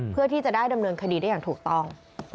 เพื่อที่จะได้ดำเนินคดีได้อย่างถูกต้อง